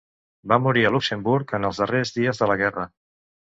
Va morir a Luxemburg en els darrers dies de la guerra.